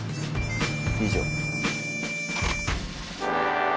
以上。